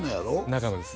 長野です